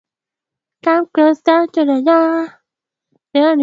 Mwalimu anafundisha na wanafunzi wanaandika.